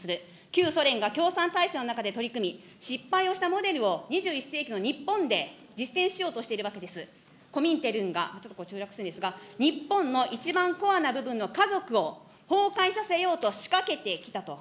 旧ソ連が共産体制の中で取り組み、失敗をしたモデルを２１世紀の日本で、実践しようとしているわけです、コミンテルンが、中略するんですが、日本の一番コアな部分の家族を崩壊させようと仕掛けてきたと。